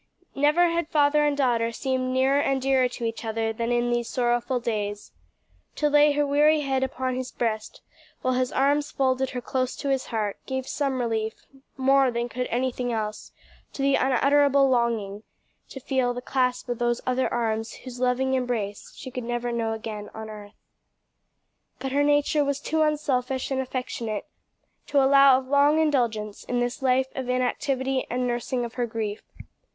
Never had father and daughter seemed nearer and dearer to each other than in these sorrowful days. To lay her weary head upon his breast while his arms folded her close to his heart, gave some relief more than could anything else to the unutterable longing to feel the clasp of those other arms whose loving embrace she could never know again on earth. But her nature was too unselfish and affectionate to allow of long indulgence in this life of inactivity and nursing of her grief.